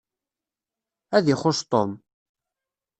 Ad ixuṣ Tom.